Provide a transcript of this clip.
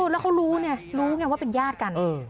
แล้วเขารู้ไงรู้ไงว่าเป็นญาติกัน